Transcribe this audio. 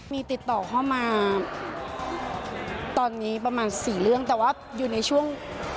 มีติดต่อเข้ามาตอนนี้ประมาณสี่เรื่องแต่ว่าอยู่ในช่วง